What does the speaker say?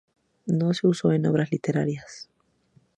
No se usó en obras literarias.